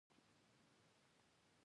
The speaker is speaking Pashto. هوکړه یې وکړه.